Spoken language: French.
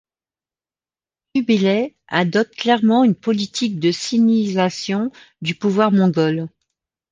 Kubilai adopte clairement une politique de sinisation du pouvoir mongol.